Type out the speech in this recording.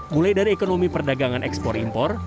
mulai dari ekonomi perdagangan ekspor impor